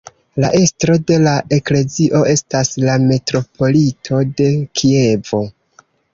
La estro de la eklezio estas la metropolito de Kievo.